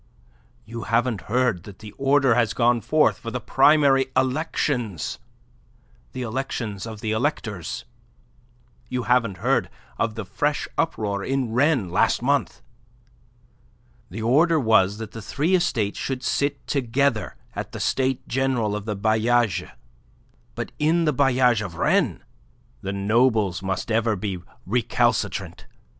You haven't heard that the order has gone forth for the primary elections the elections of the electors. You haven't heard of the fresh uproar in Rennes, last month. The order was that the three estates should sit together at the States General of the bailliages, but in the bailliage of Rennes the nobles must ever be recalcitrant.